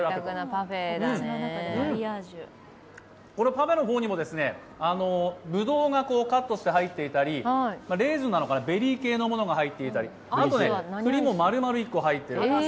パフェの方にもぶどうがカットして入っていたり、レーズンなのかな、ベリー系のものが入っていたりあとは、くりも丸々１個入っている。